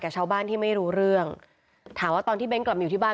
ชาวบ้านที่ไม่รู้เรื่องถามว่าตอนที่เบ้นกลับมาอยู่ที่บ้าน